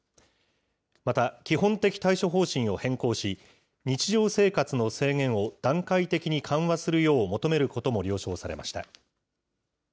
また、基本的対処方針を変更し、日常生活の制限を段階的に緩和するよう求めることも了承されました。